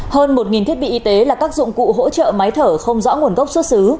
hơn một thiết bị y tế là các dụng cụ hỗ trợ máy thở không rõ nguồn gốc xuất xứ